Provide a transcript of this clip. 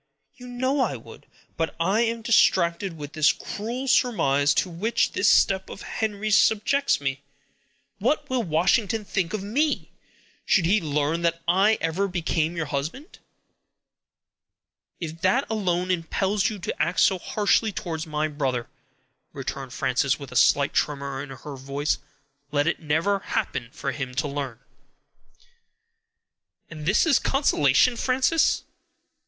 "You know I would; but I am distracted with the cruel surmise to which this step of Henry's subjects me. What will Washington think of me, should he learn that I ever became your husband?" "If that alone impels you to act so harshly towards my brother," returned Frances, with a slight tremor in her voice, "let it never happen for him to learn." "And this is consolation, Frances!"